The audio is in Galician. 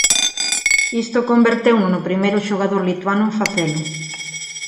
Isto converteuno no primeiro xogador lituano en facelo.